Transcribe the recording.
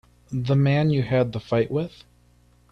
The man you had the fight with.